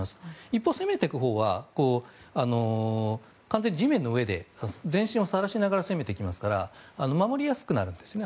一方、攻めるほうは完全に地面の上で全身をさらしながら攻めてきますから守りやすくなるんですね